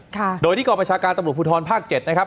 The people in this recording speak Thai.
ตอบอะไรโดยที่กรประชาการตำรุภูทรภาค๗นะครับ